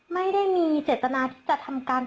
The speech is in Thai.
ไม่ได้มีเจตนาที่จะทำการ